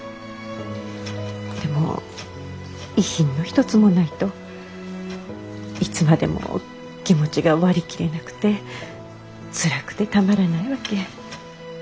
でも遺品の一つもないといつまでも気持ちが割り切れなくてつらくてたまらないわけ。